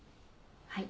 はい。